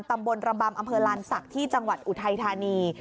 ตำบลระบำอำเภอลานศักดิ์ที่จังหวัดอุทัยธานี